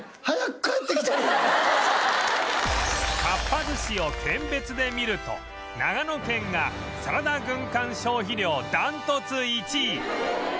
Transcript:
かっぱ寿司を県別で見ると長野県がサラダ軍艦消費量断トツ１位